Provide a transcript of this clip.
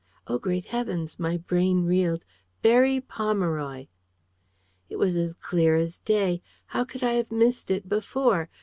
Oh, great heavens!" my brain reeled "Berry Pomeroy!" It was as clear as day. How could I have missed it before?